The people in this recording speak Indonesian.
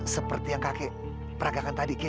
seperti yang kakek peragakan tadi